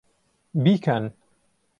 بیکەن!